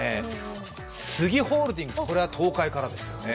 スギホールディングスは東海からですよね。